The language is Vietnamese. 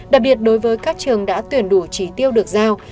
đặc biệt đối với các trường đã tuyển đủ trí tiêu được giao